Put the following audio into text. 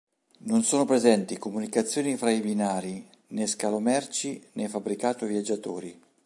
Non sono presenti comunicazioni fra i binari, né scalo merci, né fabbricato viaggiatori.